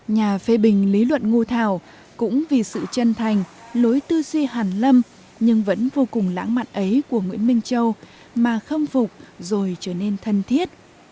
nhà phê bình lý luận ngô thảo cũng vì sự chân thành lối tư duy hàn lâm nhưng vẫn vô cùng lãng mạn ấy của nguyễn minh châu mà khâm phục rồi trở nên thân thiết